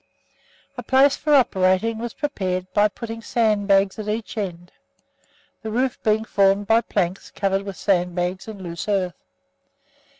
A place for operating was prepared by putting sandbags at either end, the roof being formed by planks covered with sandbags and loose earth.